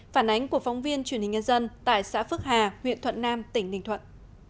phản ánh của phóng viên truyền hình nhân dân tại xã phước hà huyện thuận nam tỉnh ninh thuận